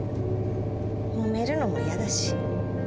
もう見るのも嫌だし。